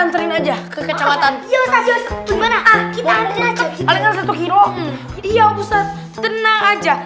anterin aja ke kecamatan yusuf gimana kita ada aja kita alihkan satu kilo dia ustadz tenang aja